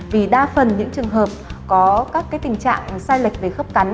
vì đa phần những trường hợp có các tình trạng sai lệch về khớp cắn